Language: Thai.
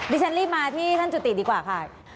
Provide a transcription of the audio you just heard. รีบมาที่ท่านจุติดีกว่าค่ะ